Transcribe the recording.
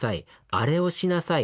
『あれをしなさい』